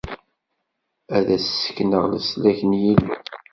Ad as-d-ssekneɣ leslak n Yillu.